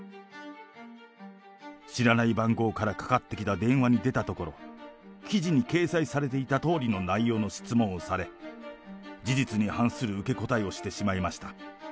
知らない番号からかかってきた電話に出たところ、記事に掲載されていたとおりの内容の質問をされ、事実に反する受け答えをしてしまいました。